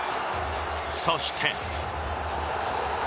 そして。